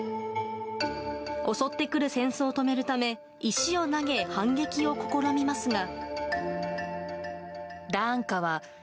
襲ってくる戦争を止めるため石を投げ反撃を試みますが。